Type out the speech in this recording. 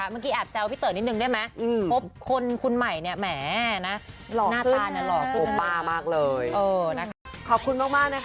มันจะร้อนไหนใช่มันจะร้อนไหน